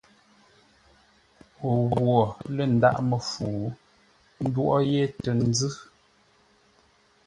O ghwo lə̂ ndághʼ məfu ńdwóʼó yé tə nzʉ́.